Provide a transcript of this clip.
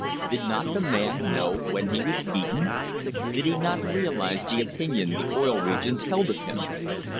Did not the man know when he was beaten? Did he not realise the opinion the Oil Regions held of him?